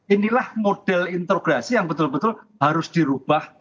inilah model interograsi yang betul betul harus dirubah